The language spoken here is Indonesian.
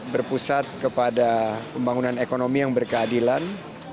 berpusat kepada pembangunan ekonomi yang berkeadilan